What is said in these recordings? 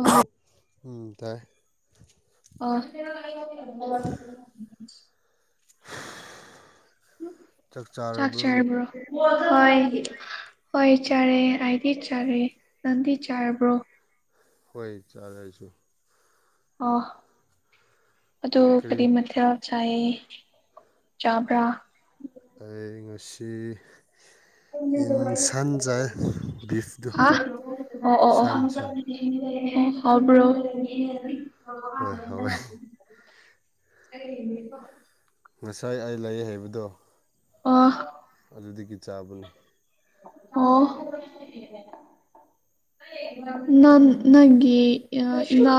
all ꯎꯝ ꯇꯥꯏ ꯑ ꯆꯥꯛ ꯆꯔꯕ꯭ꯔꯣ ꯍꯣꯏ ꯍꯣꯏ ꯆꯔꯦ ꯑꯥꯏꯗꯤ ꯆꯥꯔꯦ ꯅꯪꯗꯤ ꯆꯔꯕ꯭ꯔꯣ ꯍꯣꯏ ꯆꯥꯔꯦ ꯑꯩꯁꯨ ꯑ ꯑꯗꯨ ꯀꯔꯤ ꯃꯊꯦꯜ ꯆꯥꯏꯌꯦ ꯆꯥꯕ꯭ꯔꯥ ꯑꯩ ꯉꯁꯤ ꯏꯝꯁꯥꯟ ꯆꯥꯏ ꯕꯤꯄꯗꯨ ꯍꯥ ꯑꯣ ꯑꯣ ꯑꯣ ꯁꯟ ꯁꯟ ꯍꯥꯎꯕ꯭ꯔꯣ ꯍꯣꯏ ꯍꯥꯎꯋꯦ [unintelligible] ꯉꯁꯥꯏ ꯑꯩ ꯂꯩ ꯍꯥꯏꯕꯗꯣ ꯑꯣ ꯑꯗꯨꯗꯒꯤ ꯆꯥꯕꯅꯤ ꯑꯣ ꯅꯟ ꯅꯟꯒꯤ ꯏꯃꯥ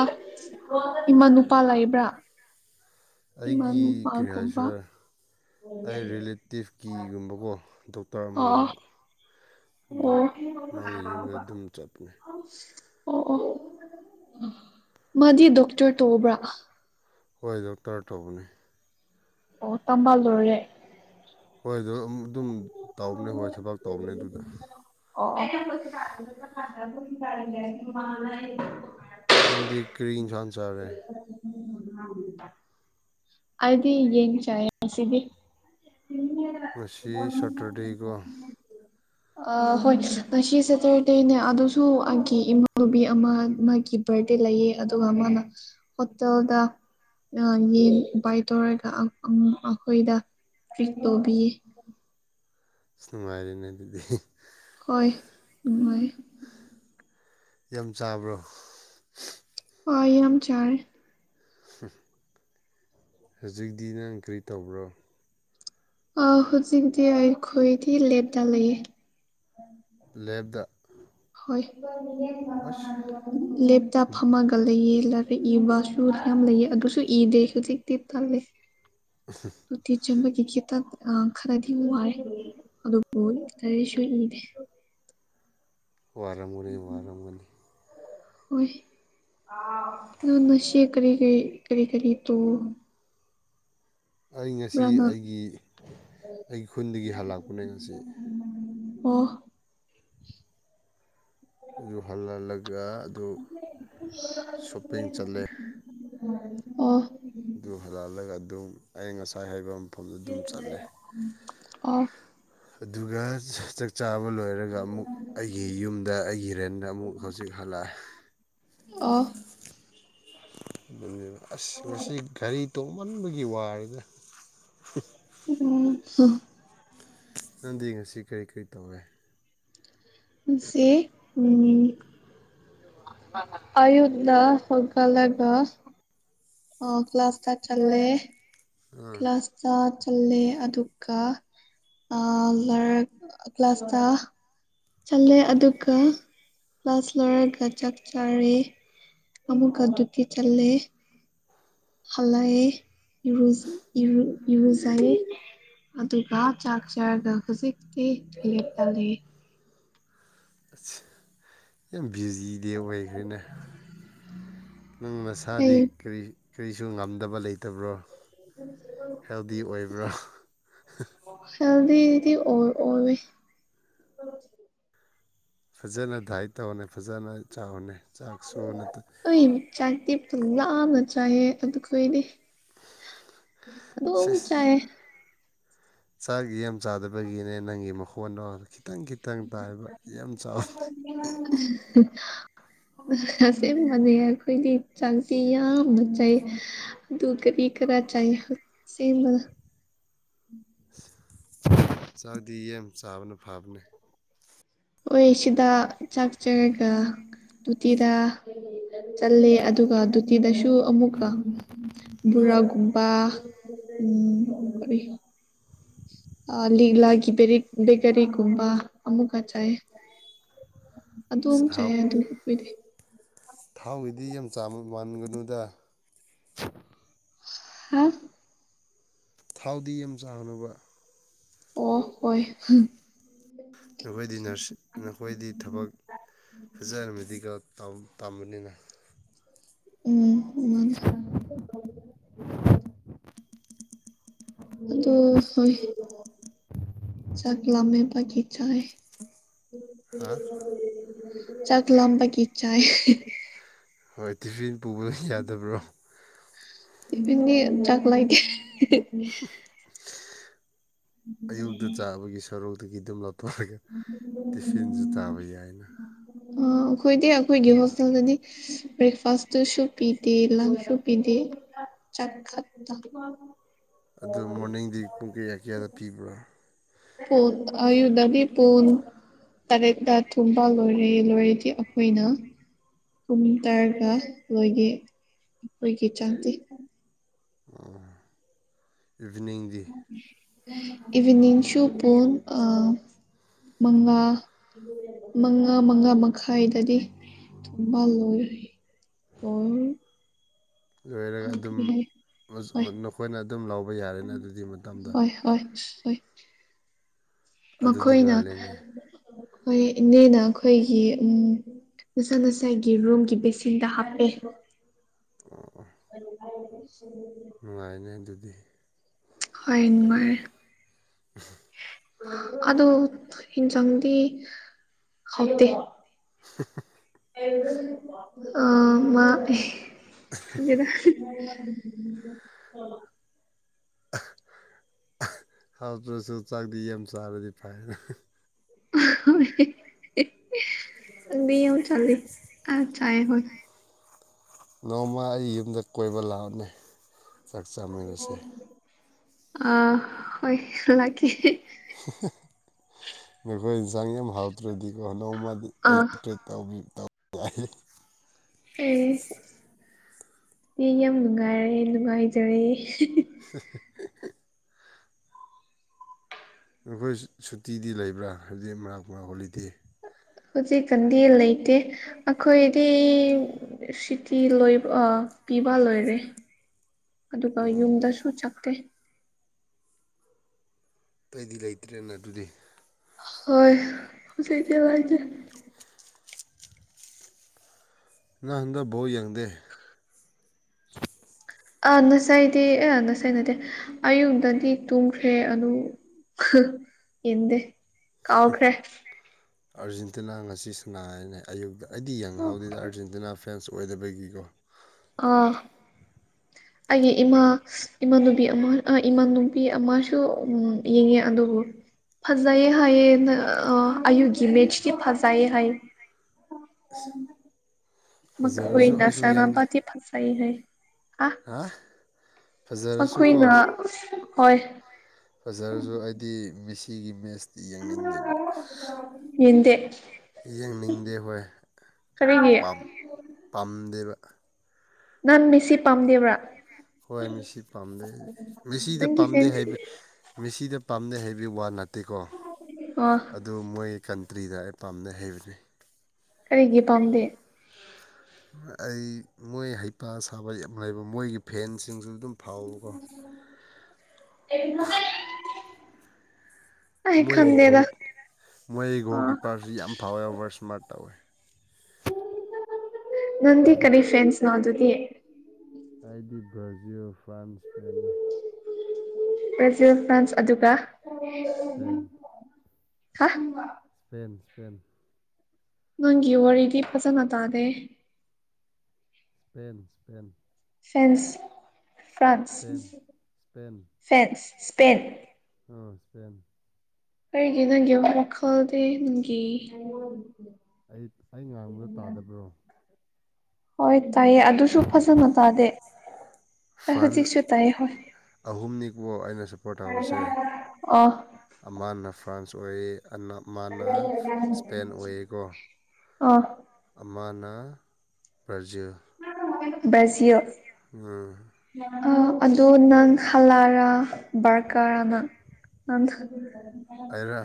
ꯏꯃꯥ ꯅꯨꯨꯄꯥ ꯂꯩꯕ꯭ꯔꯥ ꯏꯃꯥ ꯑꯩꯒꯤ ꯀꯔꯤ ꯅꯨꯄꯥꯒꯨꯝꯕ ꯍꯥꯏꯁꯤꯔ ꯑꯩ ꯔꯤꯂꯦꯇꯤꯞꯀꯤꯒꯨꯝꯕꯀꯣ ꯗꯣꯛ ꯑꯣ ꯇꯧꯔꯃꯜꯂꯦꯕ ꯑꯗꯨ ꯑꯣ ꯃꯥꯒꯤ ꯌꯨꯝꯗ ꯑꯗꯨꯝ ꯆꯠꯄꯅꯦ ꯑꯣ ꯑꯣ ꯃꯥꯗꯤ ꯗꯣꯛꯇꯔ ꯇꯧꯕ꯭ꯔꯥ ꯍꯣꯏ ꯗꯣꯛꯇꯔ ꯇꯧꯕꯅꯦ ꯑꯣ ꯇꯝꯕ ꯂꯣꯏꯔꯦ ꯍꯣꯏ ꯑꯗꯨ ꯎꯝ ꯑꯗꯨꯝ ꯇꯥꯎꯕꯅꯦ ꯍꯣꯏ ꯊꯕꯛ ꯇꯥꯎꯕꯅꯦ ꯑꯗꯨꯗ ꯑꯣ ꯑꯣ [unintelligible] ꯅꯪꯗꯤ ꯀ꯭ꯔꯤ ꯏꯟꯖꯥꯟ ꯆꯥꯔꯦ [unintelligible] ꯑꯩꯗꯤ ꯌꯦꯟ ꯆꯥꯏꯌꯦ ꯉꯁꯤꯗꯤ ꯉꯁꯤ ꯁꯇꯔꯗꯦꯒꯣ ꯑ ꯍꯣꯏ ꯉꯁꯤ ꯁꯦꯇꯔꯗꯦꯅꯦ ꯑꯗꯨꯁꯨ ꯑꯩꯒꯤ ꯏꯃꯥꯟꯅꯨꯕꯤ ꯑꯃ ꯃꯥꯒꯤ ꯕꯔꯗꯦ ꯂꯩꯌꯦ ꯑꯗꯨꯒ ꯃꯥꯅ ꯍꯣꯇꯦꯜꯗ ꯌꯦꯟ ꯎꯄꯥꯏ ꯇꯧꯔꯒ ꯑ ꯑꯃꯨꯛ ꯑꯈꯣꯏꯗ ꯇꯔꯤꯠ ꯇꯧꯕꯤꯌꯦ ꯅꯨꯡꯉꯥꯏꯔꯦꯅꯦ ꯑꯗꯨꯗꯤ ꯍꯣꯏ ꯅꯨꯡꯉꯥꯏꯌꯦ ꯌꯥꯝ ꯆꯥꯕ꯭ꯔꯣ ꯍꯣꯏ ꯌꯥꯝ ꯆꯥꯔꯦ ꯍꯨꯖꯤꯛꯗꯤ ꯅꯪ ꯀꯔꯤ ꯇꯧꯕ꯭ꯔꯣ ꯑ ꯍꯨꯖꯤꯛꯇꯤ ꯑꯩꯈꯣꯏꯗꯤ ꯂꯦꯞꯇ ꯂꯩꯌꯦ ꯂꯦꯞꯇ ꯍꯣꯏ ꯑꯁ ꯂꯦꯞꯇ ꯐꯝꯃꯒ ꯂꯩꯌꯦ ꯂꯔꯤꯛ ꯏꯕꯁ ꯨ ꯌꯥꯝ ꯂꯩꯌꯦ ꯑꯗꯨꯁꯨ ꯏꯗꯦ ꯍꯧꯖꯤꯛꯇꯤ ꯇꯜꯂꯦ [unintelligible] ꯎꯇꯤ ꯆꯥꯕꯒꯤ ꯈꯤꯇꯪ ꯈꯔꯗꯤ ꯋꯥꯏ ꯑꯗꯨꯕꯨ ꯀꯔꯤꯁꯨ ꯏꯗꯦ ꯋꯥꯔꯝꯒꯅꯤ ꯋꯥꯔꯝꯒꯅꯤ ꯍꯣꯏ ꯅ ꯅꯁꯤ ꯀꯔꯤ ꯀꯔꯤ ꯀꯔꯤ ꯀꯔꯤ ꯇꯨ ꯑꯩ ꯉꯁꯤ ꯅꯪ ꯑꯩꯒꯤ ꯑꯩ ꯈꯨꯟꯗꯒꯤ ꯍꯥꯜꯂꯛꯄꯅꯦ ꯉꯁꯤ ꯑꯣ ꯑꯗꯨ ꯍꯜꯂꯜꯂꯒ ꯑꯗꯨ ꯁꯣꯞꯄꯤꯡ ꯆꯠꯂꯦ ꯑꯣ ꯑꯗꯨ ꯍꯜꯂꯛꯂꯒ ꯑꯗꯨꯝ ꯑꯩ ꯉꯁꯥꯏ ꯍꯥꯏꯕꯝ ꯃꯐꯝꯗ ꯑꯗꯨꯝ ꯆꯠꯂꯦ ꯑꯣ ꯑꯗꯨꯒ ꯆꯥꯕ ꯂꯣꯏꯔꯒ ꯑꯃꯨꯛ ꯑꯩꯒꯤ ꯌꯨꯝꯗ ꯑꯩꯒꯤ ꯔꯦꯟꯗ ꯑꯃꯨꯛ ꯍꯧꯖꯤꯛ ꯍꯜꯂꯛꯑꯦ ꯑꯣ ꯑꯗꯨꯅꯦꯕ ꯑꯁ ꯉꯁꯤ ꯒꯥꯔꯤ ꯇꯣꯡꯃꯟꯕꯒꯤ ꯋꯥꯔꯦꯗ ꯎꯝ [unintelligible] ꯅꯪꯗꯤ ꯉꯁꯤ ꯀꯔꯤ ꯀꯔꯤ ꯇꯧꯔꯦ ꯉꯁꯤ ꯎꯝ ꯑꯌꯨꯛꯗ ꯍꯧꯒꯠꯂꯒ ꯑ ꯀ꯭ꯂꯥꯁ ꯇ ꯆꯠꯂꯦ ꯑꯥ ꯀ꯭ꯂꯥꯁ ꯆꯥ ꯆꯜꯂꯦ ꯑꯗꯨꯒ ꯑ ꯂꯔꯤꯛ ꯀ꯭ꯂꯥꯁꯇ ꯆꯠꯂꯦ ꯑꯗꯨꯒ ꯀ꯭ꯂꯥꯁ ꯂꯣꯏꯔꯒ ꯆꯥꯛ ꯆꯥꯔꯦ ꯑꯃꯨꯛꯀ ꯗꯨꯇꯤ ꯆꯜꯂꯦ ꯍꯂꯥꯛꯑꯦ ꯏꯔꯨꯖ ꯏꯔꯨ ꯏꯔꯨꯖꯥꯔꯦ ꯑꯗꯨꯒ ꯆꯥꯛ ꯆꯥꯔꯒ ꯍꯧꯖꯤꯛꯇꯤ ꯂꯦꯞꯇꯥ ꯂꯩꯌꯦ ꯑꯁ ꯌꯥꯝ ꯕꯤꯌꯨꯖꯤꯗꯤ ꯑꯣꯏꯈ꯭ꯔꯦꯅꯦ ꯅꯪ ꯑꯩ ꯅꯁꯥꯗꯤ ꯀꯔꯤ ꯀꯔꯤꯁꯨ ꯉꯝꯗꯕ ꯂꯩꯇꯕ꯭ꯔꯣ ꯍꯦꯜꯗꯤ ꯑꯣꯏꯕ꯭ꯔꯣ ꯍꯦꯜꯗꯤꯗꯤ ꯑꯣꯏ ꯑꯣꯏꯑꯦ ꯐꯖꯅ ꯗꯥꯏꯠ ꯇꯧꯋꯣꯅꯦ ꯐꯖꯅ ꯆꯥꯎꯅꯦ ꯆꯥꯛꯁꯨ ꯅꯠꯇ ꯑꯩ ꯆꯥꯛꯇꯤ ꯄꯨꯡꯂꯥꯝꯅ ꯆꯥꯏꯌꯦ ꯑꯗꯨꯈꯣꯏꯗꯤ ꯑꯗꯨꯝ ꯁꯦꯁ ꯆꯥꯏꯌꯦ ꯆꯥꯛ ꯌꯥꯝ ꯆꯥꯗꯕꯒꯤꯅꯦ ꯅꯪꯒꯤ ꯃꯈꯣꯟꯗꯣ ꯈꯤꯇꯪ ꯈꯤꯇꯪ ꯇꯥꯏꯕ ꯌꯥꯝ ꯆꯥꯎ [unintelligible] ꯑꯁꯦꯡꯕꯅꯦ ꯑꯩꯈꯣꯏꯗꯤ ꯆꯥꯛꯇꯤ ꯌꯥꯝꯅ ꯆꯥꯏ ꯑꯗꯨ ꯀꯔꯤ ꯀꯔꯥ ꯆꯥꯏ ꯁꯦꯝꯃꯥꯒ ꯆꯥꯛꯗꯤ ꯌꯥꯝ ꯆꯥꯕꯅ ꯐꯥꯕꯅꯦ ꯍꯣꯏ ꯁꯤꯗ ꯆꯥꯛꯆꯔꯒ ꯗꯨꯇꯤꯗ ꯆꯠꯂꯦ ꯑꯗꯨꯒ ꯗꯨꯇꯤꯗꯁꯨ ꯑꯃꯨꯛꯀ ꯕꯣꯔꯥꯒꯨꯝꯕ ꯎꯝ ꯀꯔꯤ ꯑꯥ ꯂꯤꯛꯂꯥꯒꯤ ꯕꯦꯔꯤ ꯕꯦꯀꯥꯔꯤꯒꯨꯝꯕ ꯑꯃꯨꯛꯀ ꯆꯥꯏ ꯑꯗꯨꯝ ꯑꯁ ꯆꯥꯏ ꯑꯍꯥꯎ ꯑꯗꯨ ꯑꯩꯈꯣꯏꯗꯤ ꯊꯥꯎꯒꯤꯗꯤ ꯌꯥꯝ ꯆꯥ ꯃꯥꯟꯒꯅꯨꯗ ꯍꯨꯝ ꯊꯥꯎꯗꯤ ꯌꯥꯝ ꯆꯥꯒꯅꯣꯕ ꯑꯣ ꯍꯣꯏ ꯍꯨꯝ ꯅꯈꯣꯏꯗꯤ ꯅꯔꯁ ꯅꯈꯣꯏꯗꯤ ꯊꯕꯛ ꯐꯖꯅ ꯃꯦꯗꯤꯀꯦꯜ ꯇꯝꯕꯅꯤꯅ ꯎꯝ ꯎꯝ ꯑꯗꯨ ꯍꯣꯏ ꯆꯥꯛ ꯂꯝꯃꯥꯕꯀꯤ ꯆꯥꯏ ꯍꯥ ꯆꯥꯛ ꯂꯥꯝꯕꯒꯤ ꯆꯥꯏ ꯍꯣꯏ ꯇꯤꯐꯤꯟ ꯄꯨꯕ ꯌꯥꯗꯕ꯭ꯔꯣ ꯇꯤꯐꯤꯟꯗꯤ ꯆꯥꯛ ꯂꯩꯇꯦ [unintelligible] ꯑꯌꯨꯛꯇ ꯆꯥꯕꯒꯤ ꯁꯔꯨꯛꯇꯒꯤ ꯑꯗꯨꯝ ꯂꯧꯊꯣꯛꯑꯒ ꯇꯤꯐꯤꯟꯁꯨ ꯆꯥꯕ ꯌꯥꯏꯅ ꯑꯥ ꯑꯩꯈꯣꯏꯗꯤ ꯑꯩꯈꯣꯏꯒꯤ ꯍꯣꯁꯇꯦꯜꯗꯗꯤ ꯕ꯭ꯔꯦꯛꯐꯥꯁꯇꯁꯨ ꯄꯤꯗꯦ ꯂꯥꯟꯁꯁꯨ ꯄꯤꯗꯦ ꯆꯥꯛ ꯈꯛꯇ ꯑꯗꯨ ꯃꯣꯔꯅꯤꯡꯗꯤ ꯄꯨꯡ ꯀꯌꯥ ꯀꯌꯥꯗ ꯄꯤꯕ꯭ꯔ ꯥ ꯄꯨꯨꯟ ꯑꯌꯨꯛꯇꯗꯤ ꯄꯨꯟ ꯇꯔꯦꯠꯇ ꯊꯣꯡꯕꯥ ꯂꯣꯏꯔꯦ ꯂꯣꯏꯔꯗꯤ ꯑꯩꯈꯣꯏꯅ ꯀꯨꯝ ꯇꯔꯒ ꯂꯣꯏꯒꯦ ꯑꯩꯈꯣꯏꯒꯤ ꯆꯥꯛꯇꯤ ꯑꯥ ꯏꯚꯤꯅꯤꯡꯗꯤ ꯏꯚꯤꯅꯤꯡꯁꯨꯨ ꯄꯨꯡ ꯑ ꯜꯥ ꯃꯪꯉꯥ ꯃꯉꯥ ꯃꯉꯥ ꯃꯈꯥꯏꯗꯗꯤ ꯊꯣꯡꯕꯥ ꯂꯣꯏꯔꯦ ꯑꯣ ꯂꯣꯏꯔꯒ ꯑꯗꯨꯝ ꯀꯔꯤ ꯍꯥꯏ ꯍꯣꯏ [unintelligible] ꯅꯈꯣꯏꯅ ꯑꯗꯨꯝ ꯂꯧꯕ ꯌꯥꯔꯦꯅꯦ ꯑꯗꯨꯒꯤ ꯃꯇꯝꯗ ꯍꯣꯏ ꯍꯣꯏ ꯍꯣꯏ ꯑꯗꯨꯗꯤ ꯃꯈꯣꯏꯅ ꯉꯥꯜꯂꯦꯅꯦ ꯍꯣꯏ ꯏꯅꯦꯅ ꯑꯩꯈꯣꯏꯒꯤ ꯎꯝ ꯉꯁꯥ ꯉꯁꯥꯒꯤ ꯔꯨꯝꯒꯤ ꯕꯦꯁꯤꯟꯗ ꯍꯥꯞꯄꯦ ꯑꯣ [unintelligible] ꯅꯨꯡꯉꯥꯏꯅꯦ ꯑꯗꯨꯗꯤ ꯍꯣꯏ ꯅꯨꯡꯉꯥꯏꯔꯦ ꯑꯗꯨ ꯍꯤꯟꯖꯥꯡꯗꯤ ꯍꯩꯇꯦ [unintelligible] [unintelligible] ꯑꯥ ꯃꯥ [unintelligible] ꯈꯪꯗꯦꯗꯥ ꯍꯥꯞꯇ꯭ꯔꯁꯨ ꯆꯥꯛꯗꯤ ꯌꯥꯝ ꯆꯥꯔꯗꯤ ꯐꯔꯦꯅ ꯆꯪꯗꯤ ꯌꯤꯝ ꯆꯪꯂꯤ ꯑꯥ ꯆꯌꯦ ꯍꯣꯏ ꯅꯣꯡꯃ ꯑꯩ ꯌꯨꯝꯗ ꯀꯣꯏꯕꯥ ꯂꯥꯛꯑꯝꯃꯦ ꯑꯥ ꯍꯣꯏ ꯂꯥꯛꯒꯤ ꯅꯈꯣꯏ ꯏꯟꯁꯥꯡ ꯌꯥꯝ ꯍꯥꯎꯇ꯭ꯔꯗꯤꯀꯣ ꯅꯣꯡꯃꯥꯗꯤ ꯑꯥ ꯑꯩ [unintelligible] ꯑꯦ ꯑꯁ ꯑꯦ ꯌꯥꯝ ꯅꯨꯡꯉꯥꯏꯔꯦ ꯅꯨꯡꯉꯥꯏꯖꯥꯔꯦ [unintelligible] ꯅꯈꯣꯏ ꯁꯨꯇꯤꯗꯤ ꯂꯩꯕ꯭ꯔꯥ [unintelligible] [inaudible] ꯍꯣꯂꯤꯗꯦ ꯍꯨꯖꯤꯛ ꯈꯪꯗꯦ ꯂꯩꯇꯦ ꯑꯩꯈꯣꯏꯗꯤ ꯁꯤꯇꯤ ꯂꯣꯏ ꯑꯥ ꯄꯤꯕ ꯂꯣꯏꯔꯦ ꯑꯗꯨꯒ ꯌꯨꯝꯗꯁꯨ ꯆꯩꯀꯦ ꯑꯇꯩꯗꯤ ꯂꯩꯇ꯭ꯔꯦꯅꯥ ꯑꯗꯨꯗꯤ ꯍꯣꯏ ꯍꯧꯖꯤꯛ [unintelligible] [inaudible] ꯉꯥꯡꯅ ꯕꯧ ꯌꯦꯡꯗꯦ ꯑꯥ ꯅꯁꯥꯏꯗꯤ ꯑ ꯅꯁꯥꯏꯅꯠꯇꯦ ꯑꯌꯨꯗꯗꯤ ꯇꯨꯝꯈ꯭ꯔꯦ ꯑꯗꯨ ꯌꯦꯟꯗꯦ ꯀꯥꯎꯈ꯭ꯔꯦ ꯑꯥꯔꯖꯦꯟꯇꯤꯅꯥ ꯉꯁꯤ ꯁꯅꯥꯅꯦ ꯑꯌꯨꯛꯇ ꯑꯩꯗꯤ ꯌꯦꯡꯍꯥꯎꯗꯦꯗ ꯑꯥꯔꯖꯦꯟꯇꯤꯅꯥ ꯐꯦꯟꯁꯨ ꯑꯣꯏꯗꯕꯒꯤꯀꯣ ꯑꯥ ꯑꯩꯒꯤ ꯏꯃꯥ ꯏꯃꯥꯟꯅꯨꯕꯤ ꯑꯃ ꯏꯃꯥꯟꯅꯨꯕꯤ ꯑꯃꯁꯨ ꯎꯝ ꯌꯦꯡꯉꯦ ꯑꯗꯨꯕꯨ ꯐꯖꯩ ꯍꯩ ꯑꯌꯨꯒꯤ ꯃꯦꯠꯆꯗꯤ ꯐꯖꯩ ꯍꯥꯏ ꯐꯖꯔꯁꯨ [unintelligible] ꯑꯩꯁꯨ ꯌꯦꯡꯗꯦ ꯁꯥꯟꯅꯕꯗꯤ ꯐꯖꯩ ꯍꯥꯏ ꯍꯥꯥ ꯑꯩꯈꯣꯏꯅꯥ ꯍꯣꯏ ꯐꯖꯔꯖꯨ ꯑꯩꯗꯤ ꯃꯦꯁꯤꯒꯤ ꯃꯦꯠꯁꯇꯤ ꯌꯦꯡꯅꯤꯡꯗꯦꯕꯥ ꯌꯦꯟꯗꯦ ꯌꯦꯡꯅꯤꯡꯗꯦ ꯍꯣꯏ ꯀꯔꯤꯒꯤ ꯄꯥꯝ ꯄꯥꯝꯗꯦꯕ ꯅꯪ ꯃꯤꯁꯤ ꯄꯥꯝꯗꯦꯕ꯭ꯔꯥ ꯍꯣꯏ ꯃꯦꯁꯤ ꯄꯥꯝꯗꯦ ꯃꯦꯁꯤꯗꯤ ꯅꯪꯒꯤ ꯄꯥꯝꯗꯦ ꯐꯦꯟꯁ ꯍꯥꯏꯕ ꯃꯦꯁꯤꯗꯣ ꯄꯥꯝꯗꯦ ꯍꯩꯕ ꯋꯥ ꯅꯠꯇꯦꯀꯣ [unintelligible] ꯑꯣ ꯑꯗꯨ ꯃꯣꯏ ꯀꯟꯇ꯭ꯔꯤ ꯗꯥꯏꯔꯦꯛ ꯄꯥꯝꯗꯦ ꯍꯩꯕꯅꯦ ꯀꯩꯒꯤ ꯄꯥꯝꯗꯦ ꯑꯩ ꯃꯣꯏ ꯍꯩꯄꯥ ꯁꯥꯕ ꯌꯥꯝ ꯂꯩꯕ ꯃꯈꯣꯏꯒꯤ ꯐꯦꯟꯁꯤꯡꯁꯨ ꯑꯗꯨꯝ ꯐꯥꯎꯕꯀꯣ ꯑꯦꯔꯥꯡꯒ ꯑꯦ ꯃꯣꯏꯒꯤ ꯒꯣꯍꯣꯛ ꯃꯣꯏꯒꯤ ꯑꯥ ꯒꯣꯍꯣꯛꯀꯤ ꯄꯥꯔꯁꯤ ꯌꯥꯝꯅ ꯐꯥꯎꯋꯔ ꯕꯔꯁꯃꯥꯔꯠ ꯇꯧꯋꯦ ꯅꯪꯗꯤ ꯀꯔꯤ ꯐꯦꯟꯁ ꯅꯣ ꯑꯗꯨꯗꯤ ꯑꯩꯥꯗꯤ ꯕ꯭ꯔꯥꯖꯤꯜ ꯐꯦꯟꯁ ꯄꯦꯅꯤ ꯕ꯭ꯔꯖꯤꯜ ꯐꯦꯟꯁ ꯑꯗꯨꯒ ꯊꯦꯟ ꯍꯥꯍ ꯄꯦꯟ ꯁ꯭ꯄꯦꯟ ꯅꯪꯒꯤ ꯋꯥꯔꯤꯗꯤ ꯐꯖꯅ ꯇꯥꯗꯦ Spain Spain friends France fans Spain ꯑ ꯁ꯭ꯄꯦꯟ ꯑꯩꯒꯤ ꯅꯪꯒꯤ ꯋꯥꯈꯜꯗꯤ ꯅꯪꯒꯤ ꯑꯩ ꯑꯩ ꯉꯥꯡꯕꯗꯣ ꯇꯥꯗꯕ꯭ꯔꯣ ꯍꯣꯏ ꯇꯥꯏꯌꯦ ꯑꯗꯨꯁꯨ ꯐꯖꯅ ꯇꯥꯗꯦ ꯑꯦ ꯐ꯭ꯔꯥꯟꯁ ꯍꯨꯖꯤꯛꯁꯨ ꯇꯥꯏꯌꯦ ꯍꯣꯏ ꯑꯍꯨꯝꯅꯤꯀꯣ ꯑꯩꯅ ꯁꯞꯄꯣꯔꯠ ꯇꯧꯕꯁꯦ ꯑ ꯑꯃꯅ ꯐ꯭ꯔꯥꯟꯁ ꯑꯣꯏꯌꯦ ꯑꯅ ꯑꯃꯅ ꯏꯁꯄꯦꯟ ꯑꯣꯏꯌꯦꯀꯣ ꯑꯥ ꯑꯃꯅ ꯄ꯭ꯔꯖꯤꯜ ꯉꯥ ꯊꯣꯡꯕ ꯀꯩꯅꯣ ꯕ꯭ꯔꯥꯖꯤꯜ ꯎꯝ ꯑ ꯑꯗꯣ ꯅꯪ ꯍꯜꯂꯥꯔꯥ ꯕꯔꯀꯥꯔꯥꯅꯥ ꯑꯟꯊ ꯑꯩꯔ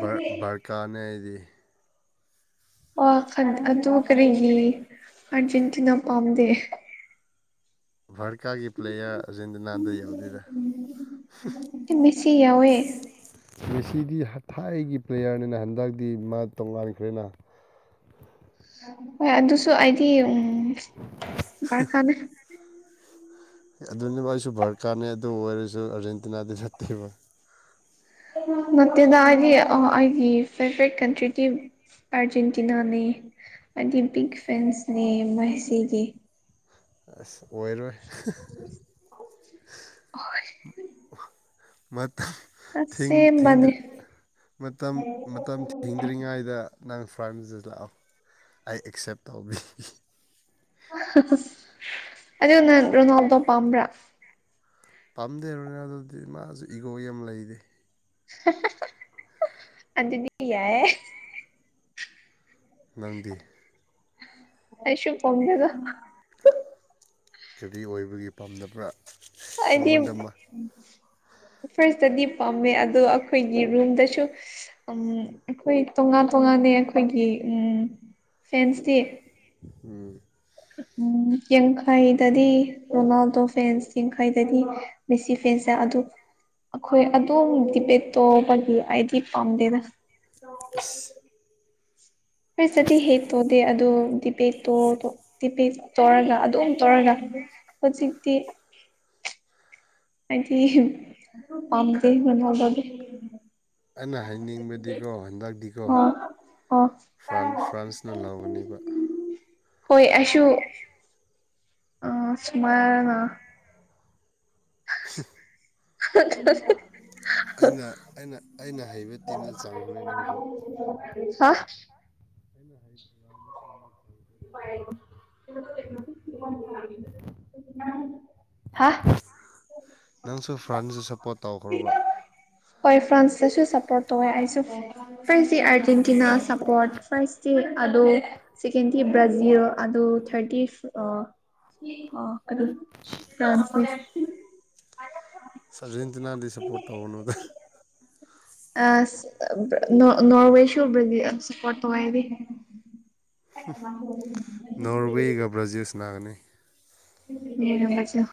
ꯕꯔ ꯕꯥꯔꯀꯥꯅꯦ ꯑꯩꯗꯤ ꯋꯥ ꯈꯟ ꯑꯗꯨ ꯀꯔꯤꯒꯤ ꯑꯥꯔꯖꯦꯟꯇꯤꯅꯥ ꯄꯥꯝꯗꯦ ꯚꯥꯔꯀꯥꯒꯤ ꯄ꯭ꯂꯦꯌꯥꯔ ꯑꯔꯖꯦꯟꯇꯤꯅꯥꯗ ꯌꯥꯎꯗꯦꯔꯥ ꯇꯤ ꯃꯦꯁꯤ ꯌꯥꯎꯋꯦ ꯃꯦꯁꯤꯗꯤ ꯍ ꯊꯥꯏꯒꯤ ꯄ꯭ꯂꯦꯌꯔꯅꯤꯅ ꯍꯟꯗꯛꯇꯤ ꯃꯥ ꯇꯣꯉꯥꯟꯈ꯭ꯔꯦꯅꯥ ꯍꯣꯏ ꯑꯗꯨꯁꯨ ꯑꯩꯗꯤ ꯎꯝ ꯕꯥꯔꯀꯥꯅꯦ ꯑꯗꯨꯅꯦ ꯃꯥꯏꯁꯨ ꯚꯔꯀꯥꯔꯅꯦ ꯑꯗꯨ ꯑꯣꯏꯔꯁꯨ ꯑꯥꯔꯖꯦꯟꯇꯤꯅꯥꯗꯤ ꯅꯠꯇꯦꯕ ꯅꯠꯇꯦꯗ ꯑꯩꯒꯤ ꯑꯥ ꯑꯩꯒꯤ ꯐꯤꯠꯕꯦꯛ ꯀꯟꯇ꯭ꯔꯤꯇꯤ ꯑꯥꯔꯖꯦꯟꯇꯤꯅꯥꯅꯦ ꯍꯥꯏꯗꯤ ꯕꯤꯛ ꯐꯦꯟꯁꯅꯦ ꯃꯦꯁꯤꯒꯤ ꯑꯁ ꯑꯣꯏꯔꯣꯏ ꯍꯣꯏ ꯃꯇꯝ ꯊꯤꯡ ꯊꯤꯡꯗ꯭ꯔꯤ ꯃꯇꯝ ꯃꯇꯝ ꯊꯤꯡꯗ꯭ꯔꯤꯉꯩꯗ ꯅꯪ ꯐ꯭ꯔꯥꯟꯖꯤꯗ ꯂꯥꯛꯑꯣ ꯑꯩ ꯑꯦꯛꯁꯦꯞ ꯇꯧꯕꯤ ꯑꯗꯨ ꯅꯪ ꯔꯣꯅꯥꯜꯗꯣ ꯄꯥꯝꯕ꯭ꯔꯥ ꯄꯥꯝꯗꯦ ꯔꯣꯅꯥꯜꯗꯣꯗꯤ ꯃꯥꯖꯨ ꯏꯒꯣ ꯌꯥꯝ ꯂꯩꯔꯦ ꯑꯗꯨꯗꯤ ꯌꯥꯏꯌꯦ ꯅꯪꯗꯤ ꯑꯩꯁꯨ ꯄꯣꯝꯗꯦꯗ ꯀꯔꯤ ꯑꯣꯏꯕꯒꯤ ꯄꯥꯝꯗꯕ꯭ꯔꯥ ꯑꯩꯗꯤ ꯑꯩꯉꯣꯟꯗ ꯑꯃ ꯑꯣ ꯐ꯭ꯔꯦꯁꯇꯗꯤ ꯄꯥꯝꯃꯦ ꯑꯗꯣ ꯑꯩꯈꯣꯏꯒꯤ ꯔꯨꯝꯗꯁꯨ ꯎꯝ ꯑꯩꯈꯣꯏ ꯇꯣꯉꯥꯟ ꯇꯣꯉꯥꯟꯅꯦ ꯑꯩꯈꯣꯏꯒꯤ ꯎꯝ ꯐꯦꯟꯁꯇꯤ ꯎꯝ ꯎꯝ ꯌꯥꯡꯈꯩꯗꯗꯤ ꯔꯣꯅꯥꯜꯗꯣ ꯐꯦꯟꯁ ꯌꯥꯡꯈꯩꯗꯗꯤ ꯃꯦꯁꯤ ꯐꯦꯟꯁꯅ ꯑꯗꯨ ꯑꯩꯈꯣꯏ ꯑꯗꯣꯝ ꯗꯤꯕꯦꯠꯇꯧꯕꯒꯤ ꯑꯩꯗꯤ ꯄꯥꯝꯗꯦꯗ ꯑꯁ [unintelligible] ꯇꯤ ꯄꯦꯠ ꯇꯧꯔꯒ ꯑꯗꯨꯝ ꯇꯧꯔꯒ ꯍꯧꯖꯤꯛꯇꯤ ꯍꯥꯏꯗꯤ ꯄꯥꯝꯗꯦ ꯑꯩꯅ ꯍꯥꯏꯅꯤꯡꯕꯗꯤꯀꯣ ꯍꯟꯗꯛꯗꯤꯀꯣ ꯑꯣ ꯑꯣ ꯐ꯭ꯔꯥꯟ ꯐ꯭ꯔꯥꯟꯁꯅ ꯂꯧꯒꯅꯤꯕ ꯍꯣꯏ ꯑꯩꯁꯨ [unintelligible] [unintelligible] ꯑꯩꯅ ꯑꯩꯅ ꯑꯩꯅ ꯍꯩꯕ ꯇꯤꯝꯗ ꯆꯡꯂꯣꯅꯦ ꯅꯪꯁꯨ ꯍꯥ [unintelligible] [unintelligible] ꯍꯥ ꯅꯪꯁꯨ ꯐ꯭ꯔꯥꯟꯁꯗ ꯁꯞꯄꯣꯔꯠ ꯇꯧꯈ꯭ꯔꯣꯕ ꯍꯣꯏ ꯐ꯭ꯔꯥꯟꯁꯇꯁꯨ ꯁꯞꯄꯣꯔꯠ ꯇꯧꯋꯦ ꯑꯩꯁꯨ ꯐꯔꯁꯠꯁꯤ ꯑꯔꯖꯦꯟꯇꯤꯅꯥ ꯁꯞꯄꯣꯔꯠ ꯐꯔꯁꯠꯇꯤ ꯑꯗꯣ ꯁꯦꯀꯦꯟꯗ ꯇꯤ ꯕ꯭ꯔꯥꯖꯤꯜ ꯑꯗꯣ ꯊꯥꯔꯇꯤꯐ ꯑ ꯑ ꯑꯗꯨ ꯐ꯭ꯔꯥꯟꯁꯅꯦ ꯑꯔꯖꯦꯟꯇꯤꯅꯥꯗꯤ ꯁꯞꯄꯣꯔꯠ ꯇꯧꯒꯅꯨꯗ ꯑꯁ ꯅꯣ ꯅꯣꯔꯋꯦꯁꯨ ꯕ꯭ꯔꯥꯖꯤꯜꯁꯨ ꯁꯞꯄꯣꯔꯠ ꯇꯧꯋꯦ ꯑꯩꯗꯤ [unintelligible] ꯅꯣꯔꯋꯦꯒ ꯕ꯭ꯔꯥꯖꯤꯜ ꯁꯟꯅꯥꯒꯅꯤ [unintelligible]